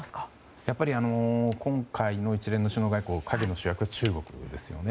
やっぱり、今回の一連の首脳外交の陰の主役は中国ですよね。